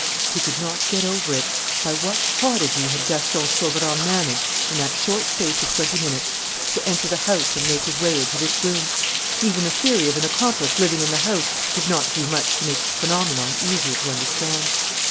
He could not get over it. By what prodigy had Gaston Sauverand managed, in that short space of twenty minutes, to enter the house and make his way into this room? Even the theory of an accomplice living in the house did not do much to make the phenomenon easier to understand.